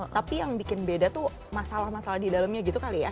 tapi yang bikin beda tuh masalah masalah di dalamnya gitu kali ya